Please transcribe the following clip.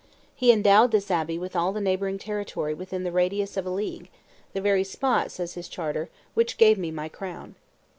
He endowed this abbey with all the neighboring territory within the radius of a league, "the very spot," says his charter, "which gave me my crown."